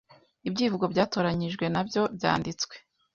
Ibyivugo byatoranijwe na byo byanditswe